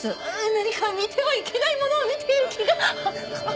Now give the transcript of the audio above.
何か見てはいけないものを見ている気が。